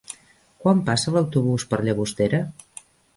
Quan passa l'autobús per Llagostera?